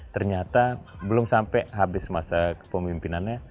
ternyata belum sampai habis masa kepemimpinannya